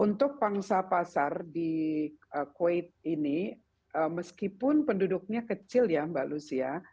untuk pangsa pasar di kuwait ini meskipun penduduknya kecil ya mbak lucia